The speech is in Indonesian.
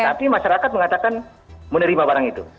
tapi masyarakat mengatakan menerima barang itu